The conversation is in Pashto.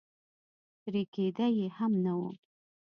ترې کېده یې هم نه.